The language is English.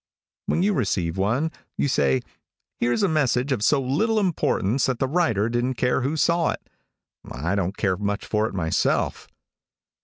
When you receive one, you say, "Here's a message of so little importance that the writer didn't care who saw it. I don't care much for it, myself."